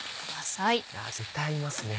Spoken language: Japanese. いや絶対合いますね。